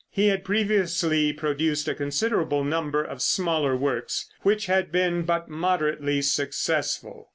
He had previously produced a considerable number of smaller works, which had been but moderately successful.